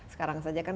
sekarang saja kan